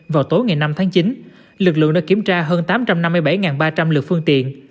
vào tối ngày năm tháng chín lực lượng đã kiểm tra hơn tám trăm năm mươi bảy ba trăm linh lượt phương tiện